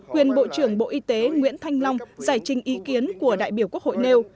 quyền bộ trưởng bộ y tế nguyễn thanh long giải trình ý kiến của đại biểu quốc hội nêu